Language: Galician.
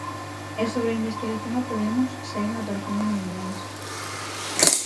E sobre a investigación a Podemos, seguen aparecendo novidades.